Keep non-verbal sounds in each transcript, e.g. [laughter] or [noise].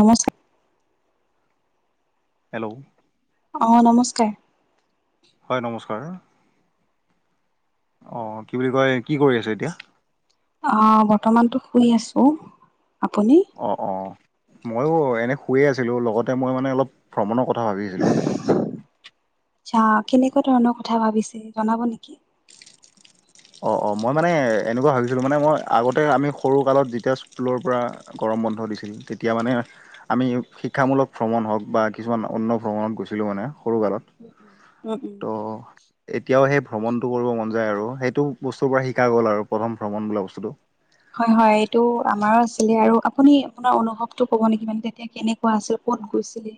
নমস্কাৰ হেল্ল' অ নমস্কাৰ হয় নমস্কাৰ অ কি বুলি কয় কি কৰি আছে এতিয়া? অ বৰ্তমানতো শুই আছো। আপুনি অ অ ময়ো এনে শুইৱে আছিলোঁ লগতে মই মানে অলপ ভ্ৰমণৰ কথা কথা ভাবি আছিলোঁ মানে। আচ্ছা কেনেকুৱা ধৰণৰ কথা ভাবিছে জনাব নেকি? অ অ মই মানে এনেকুৱা ভাবিছিলো মানে মই আগতে আমি সৰু কালত যেতিয়া স্কুলৰ পৰা গৰম বন্ধ দিছিল তেতিয়া মানে আমি শিক্ষামূলক ভ্ৰমণ হওঁক বা কিছুমান অন্য ভ্ৰমণত গৈছিলোঁ। মানে সৰু কালত উম উম। উম উম ত এতিয়াওঁ হে ভ্ৰমণটো কৰিব মন যাই আৰু সেইটো বস্তুৰ পৰা শিকা গ'ল আৰু প্ৰথম ভ্ৰমণ বোলা বস্তুটো হয় হয় এইটো আমাৰো আছিলে আৰু আপুনি আপোনাৰ অনুভৱটো ক'ব নেকি মানে তেতিয়া কেনেকুৱা আছিল ক'ত গৈছিলে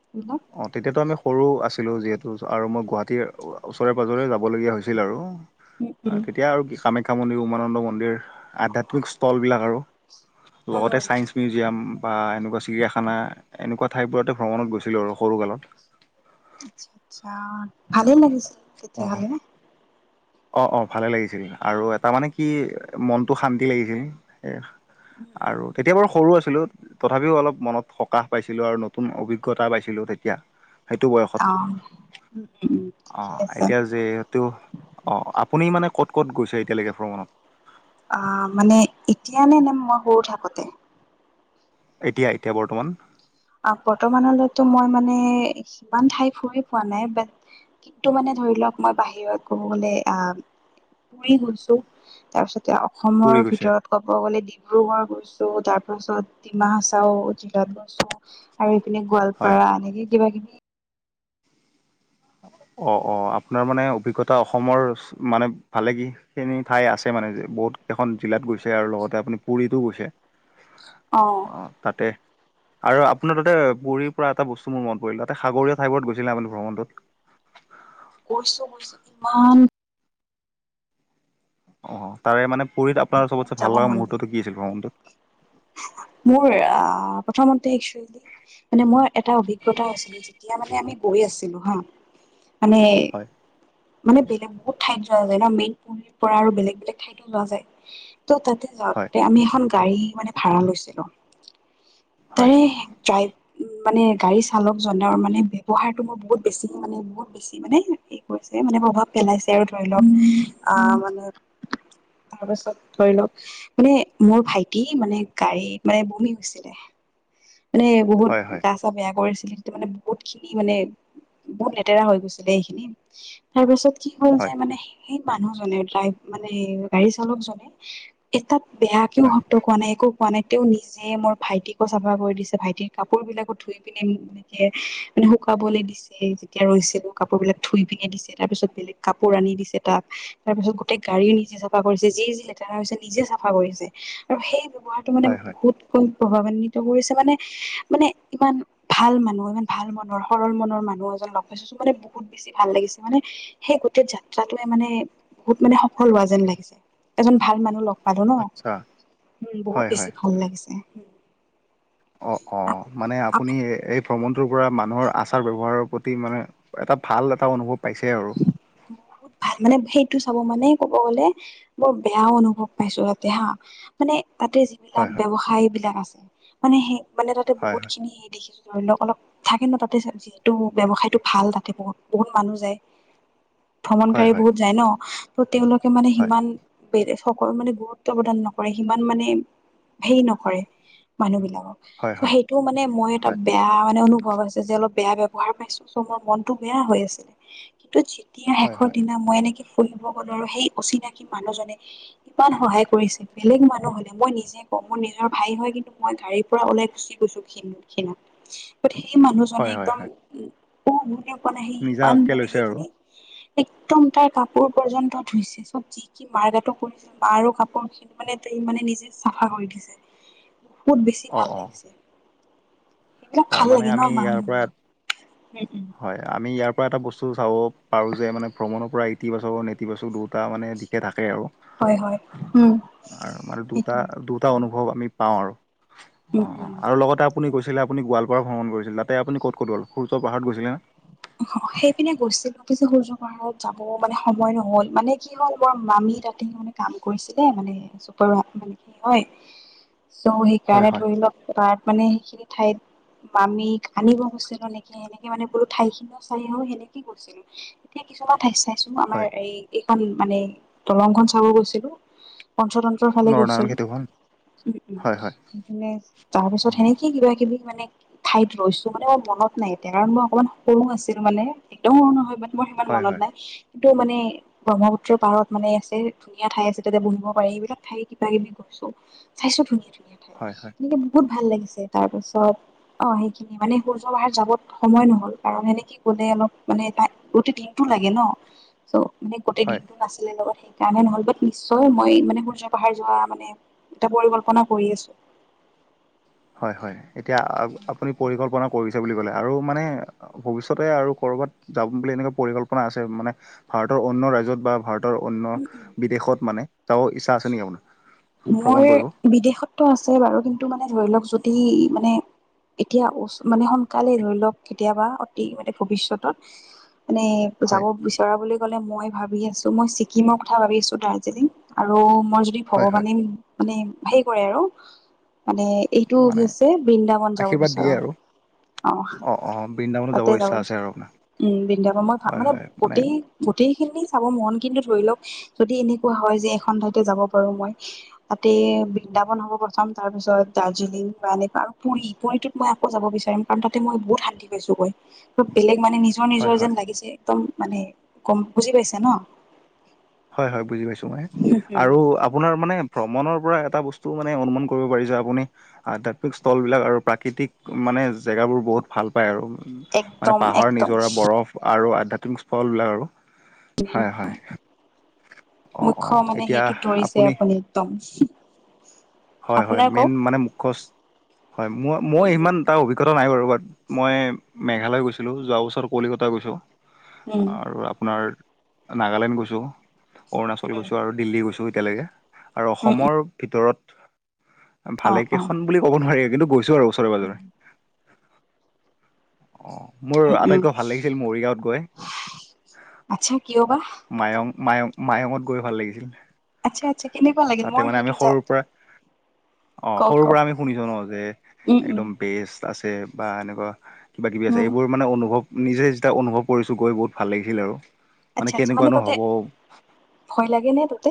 এইবিলাক? অ তেতিয়াতো আমি সৰু আছিলোঁ আছিলোঁ যিহেতু আৰু মই গুৱাহাটীৰ ওচৰে পাঁজৰে যাবলগীয়া হৈছিল আৰু উম উম। তেতিয়া আৰু কামাখ্যা মন্দিৰ উমানন্দ মন্দিৰ আধ্যাত্মিক স্থলবিলাক আৰু হয় লগতে হয়। চাইন্স মিউজিয়াম বা এনেকুৱা চিৰিয়াখানা এনেকুৱা ঠাইবোৰতে ভ্ৰমণত গৈছিলোঁ আৰু সৰুকালত আচ্ছা আচ্ছা ভালেই লাগিছিল অ'। তেতিয়াহলে অ অ ভালে লাগিছিল আৰু এটা মানে কি মনটো শান্তি লাগিছিল এ উম উম। আৰু তেতিয়া বাৰু সৰু আছিলো তথাপিও অলপ মনত সকাহ পাইছিলো আৰু নতুন অভিজ্ঞতা পাইছিলো তেতিয়া সেইটো অ বয়সত উম উম ঠিকে আহ আছে। এতিয়া যিহেতু অঁ আপুনি মানে ক'ত ক'ত গৈছে এতিয়ালৈকে ভ্ৰমণত আহ মানে এতিয়া নে নে মই সৰু থাকোঁতে এতিয়া এতিয়া বৰ্তমান অ বৰ্তমানলৈতো মই মানে সিমান ঠাই ফুৰি পোৱা নাই কিন্তু মানে ধৰি লওক মই বাহিৰত কব গলে আহ ঘুৰি গৈছো তাৰ পিছত এতিয়া পুৰি অসমৰ গৈছে। ভিতৰত ক'ব গ'লে ডিব্ৰুগড় গৈছো তাৰ পাছত ডিমা হাছাও গৈছো আৰু হয়। গোৱালপাৰা এনেকে কিবা কিবি অ অ আপোনাৰ মানে অভিজ্ঞতা অসমৰ মানে ভালে কি খিনি ঠাই আছে মানে বহুত কেইখন জিলাত গৈছে আৰু লগতে আপুনি পুৰীতো গৈছে অ তাতে আৰু আপোনাৰ তাতে পুৰীৰ পৰা এটা বস্তু মোৰ মন পৰিল তাতে সাগৰীয়া ঠাইবোৰত গৈছিল নে ভ্ৰমণটোত গৈছো গৈছো ইমান অ তাৰে মানে পুৰীত আপোনাৰ বহুত চবতচে যাব ভাল লগা মন যায় মুহূৰ্তটো কি আছিল ভ্ৰমণটোত [unintelligible] মোৰ প্ৰথমতে ইক্সলি মানে মোৰ এটা অভিজ্ঞতা হৈছিলে যেতিয়া মানে আমি গৈ আছিলো হা হয় মানে বেলেগ বহুত ঠাইত মেইন পুৰীৰ পৰা আৰু বেলেগ বেলেগ ঠাইতো লোৱা যায় ত' তাতে হয় যাওঁতে আমি এখন গাড়ী মানে ভাড়া লৈছিলো হয় তাৰে সেই ড্ৰাইভ উ মানে গাড়ী চালকজনৰ মানে ব্যৱহাৰটো মোৰ বহুত বেছি মানে বহুত বেছি মানে হ মানে প্ৰভাৱ পেলাইছে আৰু ধৰি লওক আহ মানে তাৰপাছত ধৰি লওক মানে মোৰ ভাইটি মানে গাড়ীত মানে বমি হৈছিলে। মানে বহুত হয় হয় গা চা বেয়া কৰিছিলে। মানে বহুত খিনি মানে বহুত লেতেৰা হৈ গৈছিলে এইখিনি তাৰ পিছত কি হ'ল যে হয় মানে সেই মানুহজনেই মানে গাড়ী চালকজনে এটাত বেয়া কিয় হয় শব্দ কোৱা নাই একো কোৱা নাই তেওঁ নিজে মোৰ ভাইটিকো চাব কৰি দিছে ভাইটিৰ কাপোৰ বিলাকো ধুই পিনে এনেকে মানে শুকাবলৈ দিছে যেতিয়া ৰৈছিল। কাপোৰ বিলাক ধুই পিনে দিছে, তাৰ পিছত বেলেগ কাপোৰ আনি দিছে তাক তাৰ পিছত গোটই গাড়ী নিজে চাফা কৰিছে। যি -যি লেতেৰা হৈছে নিজে চাফা কৰিছে আৰু সেই ব্যৱহাৰটো মানে হয় হয় বহুত ক প্ৰভাৱান্বিত কৰিছে মানে- মানে ইমান ভাল মানুহ ইমান ভাল মনৰ সৰল মনৰ মানুহ এজন লগ পাইছো মানে বহুত বেছি ভাল লাগিছে মানে সেই গোটেই যাত্ৰাটোৱে মানে বহুত মানে সফল হোৱা যেন লাগিছে এজন ভাল মানুহ লগ পালো ন' আচ্ছা উম হয় বহুত হয় বেছি ভাল লাগিছে। অ', - অ', মানে আপুনি এই ভ্ৰমণ পৰা মানুহৰ আচাৰ ব্যৱহাৰৰ প্ৰতি মানে এটা ভাল এটা অনুভৱ পাইছে আৰু। ভাল মানে সেইটো চাব মানে কব গ'লে বৰ বেয়া অনুভৱ পাইছো তাতে হা মানে তাতে হয় যিবিলাক হয় ব্যৱসায় বিলাক আছে মানে সেই মানে তাতে হয় বহুতখিনি দেখিছোঁ ধৰি লক অলপ থাকে ন' তাতে যিহেতু ব্যৱসায়টো ভাল তাতে বহুত- বহুত মানুহ যায়। হয় হয় ভ্ৰমণকাৰী হয় বহুত যায় ন' তেওঁলোকে মানে হয় সিমান বে সকলো মানে গুৰুত্ব প্ৰদান নকৰে সিমান মানে হেৰি নকৰে মানুহবিলাক হয় হয় ত'সেইটো মানে মই এটা হয় বেয়া মানে অনুভ ভৱ হৈছে যে অলপ বেয়া ব্যাৱহাৰ পাইছো চ' মোৰ মনটো বেয়া হৈ আছে কিন্তু এতিয়া হয় শেষৰ হয় দিনা মই এনেকে [unintelligible] সেই অচিনাকি মানুহজনে ইমান সহায় কৰিছে বেলেগ মানুহ হলে মই নিজে ক মোৰ নিজৰ ভাই হয় কিন্তু, মই গাড়ীৰ পৰা ওলাই গুচি গৈছো ঘি- ঘিনত। সেই মানুহজনে হয় হয় একদম হয় উহ- হুৰ কে কোৱা নাই সি ইমান নিজাকে মানে লৈছে সেই আৰু একদম তাৰ কাপোৰ পৰ্যন্ত ধুইছে চব কি- কি মাৰ গাটো পৰিছে বা আৰু কাপোৰ খিনি মানে তে মানে নিজে চাফা কৰি দিছে বহুত বেছি অ ভাল অ লাগিছে। সেইবিলাক হয়, ভাল মানে লাগে ন আমি মা ইয়াৰ পৰা উম উম হয় আমি ইয়াৰ পৰা এটা বস্তু চাব পাৰো যে মানে ভ্ৰমণৰ পৰা ইতিবাচক -নেতিবাচক এটা মানে দিশে থাকে আৰু হয় হয় উম আৰু মানে সেইটোৱে দুটা- দুটা অনুভৱ আমি পাওঁ আৰু। [inaudible] উম অহ, উম আৰু লগতে আপুনি কৈছিলে আপুনি গোৱালপাৰা ভ্ৰমণ কৰিছিল তাতে আপুনি ক'ত -ক'ত গল সূৰ্য পাহাৰত গৈছিলে নে? কিছু সূৰ্যৰ পাহাৰত যাব মানে সময় নহ'ল মানে কি হ'ল বৰ মামী তাতে মানে কাম কৰিছিলে মানে চ' মানে কি হয় চ' হয় সেইকাৰণে হয় ধৰি লক এটা মানে সেইখিনি ঠাইত মামিক আনিব গৈছিলো নেকি সেনেকে মানে বোলো ঠাইখিনিও চাই আহোঁ সেনেকে গৈছিল এতিয়া কিছুমান ঠাই চাইছো আমাৰ হয় এই খন মানে দলংখন চাব গৈছিলো, পঞ্চতন্ত্ৰৰ ফালে নৰনাৰায়ণ গৈছিলো। খেতিখন উম -উম হয় হয় সেইকাৰণে তাৰ অ পিছত হয় সেনেকে কিবা - কিবি মানে ঠাইত ৰৈছো মানে মোৰ মনত নাই এতিয়া, কাৰণ মই অকমান সৰু আছিলো মানে একদম সৰু নহয় মানে মোৰ সিমান মনত হয় নাই। কিন্তু মানে ব্ৰহ্মপুত্ৰৰ পাৰত মানে আছে ধুনীয়া ঠাই আছে তাতে বহিব পাৰি, এইবিলাক ঠাই কিবা - কিবি চাইচো ধুনীয়া- ধুনীয়া ঠাই হয় হয় এনেকে বহুত ভাল লাগিছে তাৰ পিছত অহ সেইখিনি মানে সূৰ্য পাহাৰ যাব সময় নহ'ল। কাৰণ সেনেকে গলে অলপ মানে গোটেই দিনটো লাগে ন' চ ' মানে গোটেই হয় দিনটো নাছিলে লগত সেই সেইকাৰণে নহল বাট নিশ্চয় মই মানে সূৰ্য- পাহাৰ যোৱা মানে এটা পৰিকল্পনা কৰি আছো। [inaudible] হয় -হয় এতিয়া আপুনি পৰিকল্পনা কৰি বুলি কলে আৰু মানে ভৱিষ্যতে আৰু কৰ'বাত যাম বুলি এনেকুৱা পৰিকল্পনা আছে মানে ভাৰতত অন্য ৰাজ্যত বা ভাৰতৰ অন্য বিদেশত মানে তাও ইচ্ছা আছে নেকি? মোৰ ভ্ৰমণ কৰিব? বিদেশতো আছে বাৰু কিন্তু মানে ধৰি লওক যদি মানে এতিয়া মানে সোনকালে ধৰি লওক কেতিয়াবা অতি মানে ভৱিষ্যতত। মানে হয় যাব বিচৰা বুলি মই ভাবি আছো মই ছিকিমৰ কথা ভাবি আছো দাৰ্জিলিং আৰু মই যদি ভাবো। হয় হয় মানে হে কৰে আৰু। মানে এইটো মানে হৈছে বৃন্দাবন যাব আশীৰ্বাদ দিয়ে বিচাৰো। আৰু। অ অ বৃন্দাবনত তাতে যাব ইচ্ছা আছে বিচাৰোঁ। আৰু আপোনাৰ উম বিন্দাবন মই ভা হয় মানে হয় গোটেই গোটেই খিনি চাব মন কিন্তু ধৰি লওঁক যদি এনেকুৱা হয় যে এখন ঠাইতে যাব পাৰো মই তাতে বৃন্দাবন হ'ব প্ৰথম তাৰ পিছত দাৰ্জিলিং বা এনেকুৱা আৰু পুুৰী পুৰীটোত মই আকৌ যাব বিচাৰো। কাৰণ তাতে মই বহুত শান্তি পাইছোঁ গৈ বেলেগ মানে নিজৰ হয় নিজৰ হয়। যেন লাগিছে একদম মানে কম বুজি পাইছে ন। হয় হয় বুজি পাইছো মই আৰু আপোনাৰ মানে ভ্ৰমণৰ পৰা এটা বস্তু মানে অনুমান কৰিব পাৰি যে আপুনি আধ্যাত্মিক স্থল বিলাক আৰু প্ৰাকৃতিক মানে জেগাবোৰ ব বহুত ভাল পায় আৰু, মানে একদম পাহাৰ একদম নিজৰা বৰফ আৰু আধ্যাত্মিক স্থল বিলাক আৰু। হয় হয়। অ অ মুখ্য্ মানে এতিয়া সেইটোত ধৰিছে আপুনি একদম। হয় হয় আপোনাৰ মেইন কওক মানে মুখ হয় মোৰ মই উম ইিমান তাৰ অভিজ্ঞতা নাই বাৰু মই মেঘালয় গৈছিলোঁ যোৱা বছৰ কলিকতা গৈছোঁ, উম আৰু আপোনাৰ নাগালেণ্ড গৈছো অৰুণাচল উম গৈছো আৰু দিল্লী গৈছো এতিয়ালেকে। আৰু উম উম অসমৰ ভিতৰত অ অ ভালেকেইখন বুলি ক'ব নোৱাৰি কিন্তু গৈ আৰু ওচৰে পাজৰে। অ মোৰ উম উম আটাইতকৈ ভাল লাগিছিল মৰিগাঁৱত গৈ। আচ্ছা কিয় বা? মায়ং মায়ং মায়ঙত গৈ ভাল লাগিছিল। আচ্ছা আচ্ছা কেনেকুৱা লাগিল তাতে মই মানে আমি সেইটো যা সৰুৰ পৰা অ সৰুৰ পৰা আমি শুনিছো ন যে উম উম একদম বেষ্ট আছে বা এনেকুৱা কিবা কিবি আছে উম এইবোৰ মানে অনুভৱ নিজে যেতিয়া অনুভৱ কৰিছো গৈ বহুত ভাল লাগিছিল আৰু। আচ্ছা আচছা মানে কেনেকুৱানো ততে হ'ব ভয় লাগে নে তাতে?।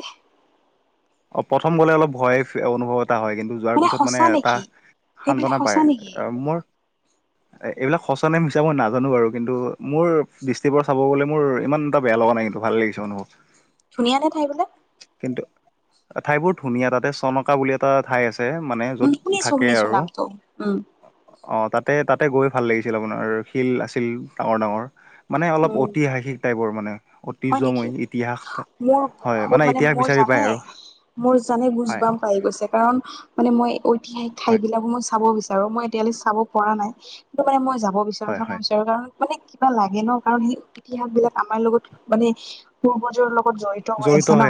অ প্ৰথম গলে অলপ ভয়ে অনুভৱ এটা হয় কিন্তু যোৱাৰ পিছত মানে সঁচা এটা নেকি? সেইবিলাক সান্তনা সঁচা পায়, নেকি? মোৰ [inaudible] এ এইবিলাক সঁচা নে মিছা মই নাজানো বাৰু? কিন্তু মোৰ দৃষ্টিক পৰা চাব গলে মোৰ ইমান এটা বেয়া লগা নাই। কিন্তু ভাল লাগিছে অনুভৱ ধুনীয়া নে ঠাই বিলাক? কিন্তু ঠাই বোৰ ধুনীয়া তাতে চনকা বুলি এটা ঠাই আছে আছে মানে উম, যত শুনিছো থাকে শুনিছো আৰু। নামটো। উম, অ তাতে তাত তাতে গৈ ভাল লাগিছিল আপোনাৰ শিল আছিল ডাঙৰ ডাঙৰ। মানে অলপ উম, ঐতিহাসিক টাইপৰ মানে। হয় নেকি? ঐতিহয্যমৈ ইতিহাস মোৰ হয় বহুত মানে ইতিহাস মোৰ বিচাৰি পায় জানে আৰু মোৰ জানে গোজ হয় বাম পাই গৈছে কাৰণ মানে মই ঐতিহাসিক ঠাই হয় বিলাকো মই চাব বিচাৰো। মই এতিয়ালে চাব পৰা নাই। কিন্তু মনে মই যাম। কব বিচাৰো হয় চাব হয় বিচাৰো কাৰণ মানে কিবা লাগে ন কাৰণ সেই ইতিহাস বিলাক আমাৰ লগত মানে পূৰ্বজৰ লগত জড়িত হৈ আছে ন,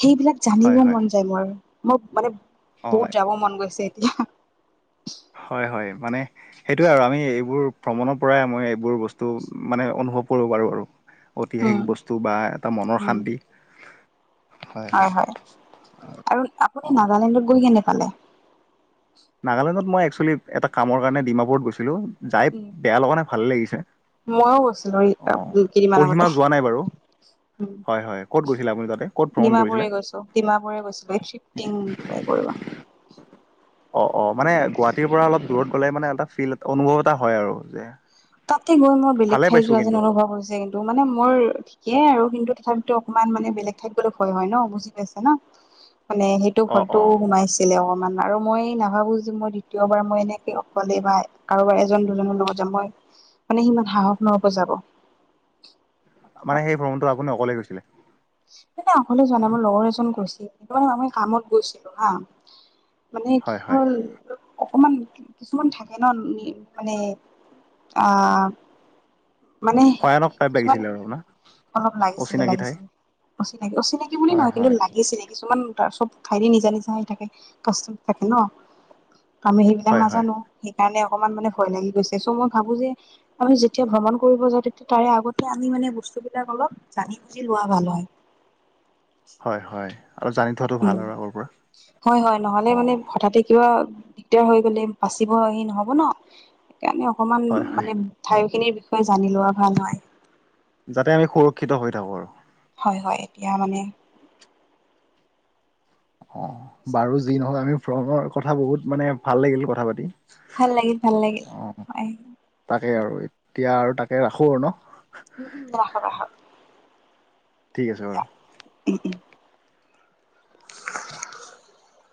সেইবিলাক হয় জানিবও হয় মন যায় মোৰ। মোৰ মানে অ বহুত যাব মন গৈছে এতিয়া। হয় হয় মানে সেইটোৱে আৰু আমি এইবোৰ ভ্ৰমণৰ পৰাই আমি এইবোৰ বস্তু মানে অনুভৱ কৰো পাৰো আৰু উম, ঐতিহাসিক বস্তু বা এটা মনৰ উম, শান্তি। হয় হয় আৰু আপুনি অ নাগালেণ্ডত গৈ কেনে পালে? নাগালেণ্ডত মই একচুৱেলি এটা কামৰ কাৰণে ডিমাপুৰত গৈছিলো। যাই বেয়া লগা নাই ভালে লাগিছে। মইও গৈছিলো অ কেইদিনমান কহিমা আগতে। যোৱা নাই বাৰু হয় হয় ক'ত গৈছিলে আপুনি তাত ডিমাপুৰে গৈছো ডিমাপুৰে গৈছিলো শিফ্টিং কিবা কৰিব। অহ অহ মানে গুৱাহাটীৰ পৰা অলপ দূৰত গ'লে মানে এটা ফিল অনুভৱ এটা হয় আৰু, যে তাতে গৈ মই বেলেগ ভালে ঠাই পাইছোঁ যোৱা যেন কিন্তু অনুভৱ হৈছে কিন্তু। মানে মোৰ ঠিকেই আৰু কিন্তু তথাপিতো অকমান মানে বেলেগ ঠাই গলো ভয় হয় ন বুজি পাইছে ন? মানে সেইটো অঁ অঁ ভয়তোও সোমাইছিলে অকমান। আৰু মই নাভাবোঁ যে মই দ্বিতীয়বাৰ মই এনেকে অকলে বা কাৰোবাৰ এজন দুজনৰ লগত যাম মই মানে সিমান সাহস নহব য়াব মানে সেই ভ্ৰমণটো আপুনি অকলে গৈছিলে? সেইদিনা অকলে যোৱা নাই মোৰ লগৰ এজন গৈছিল কিন্তু মানে মি কামত গৈছিলো হা। মানে কি হয় হয় হ'ল অকমান কিছুমান থাকে ন মানে আহ মানে ভয়ানক টাইপ কিছুমান লাগিছিলে আৰু আপোনাৰ অলপ লাগিছিলে অচিনাকি ঠাই লাগিছিলে। অচিনাকি বুলি হয় নহয় কিন্তু হয় লাগিছিল। নে কিছুমান তত চব ঠাইতে নিজা নিজা অহ থাকে কষ্ট থাকে ন আমি সেইবিলাক হয় হয় নাজানো সেইকাৰণে অকমান মানে ভয় লাগি গৈছে চ' মই ভাবো যে আমি যেতিয়া ভ্ৰমণ কৰিব যা তেতিয়া তাৰে আগতে আমি মানে। সেইবিলাক অলপ জানি বুজি লোৱা ভাল হয়। হয় হয় আৰু জানি থোৱাটো ভাল উম আৰু আগৰ পৰা হয় হয় নহলে মানে অঁ হঠাতে কিবা দিগদাৰ হৈ গলে বাচিব হে নহব ন সেইকাৰণে অকমান হয় হয় মানে ঠাই সেই খিনিৰ বিষয়ে জানি লোৱা ভাল হয়। যাতে আমি সুৰক্ষিত হৈ থাকো আৰু। হয় হয় এতিয়া মানে অ বাৰু যি নহক আমি ভ্ৰণৰ কথা বহুত মানে ভাল লাগিলো কথা পাতি। ভাল লাগিল ভাল লাগিল অ হয়। তাকে আৰু এতিয়া আৰু তাকে ৰাখো আৰু ন। উম উম ৰাখা ৰাখা। ঠিক আছে বাৰু। উম উম [inaudible]